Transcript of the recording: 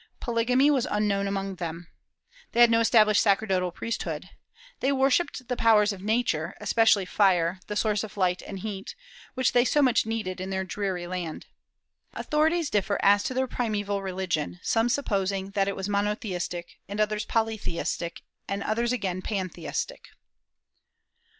Polygamy was unknown among them. They had no established sacerdotal priesthood. They worshipped the powers of Nature, especially fire, the source of light and heat, which they so much needed in their dreary land. Authorities differ as to their primeval religion, some supposing that it was monotheistic, and others polytheistic, and others again pantheistic.